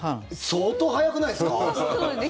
相当早くないですか？